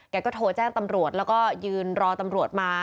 ก็โทรแจ้งตำรวจแล้วก็ยืนรอตำรวจมา